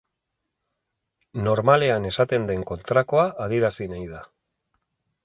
Normalean esaten den kontrakoa adierazi nahi da.